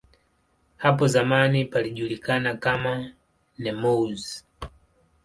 Hapo zamani palijulikana kama "Nemours".